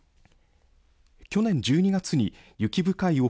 去年１２月に雪深い奥